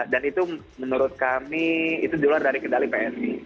dan itu menurut kami itu diulang dari kendali psi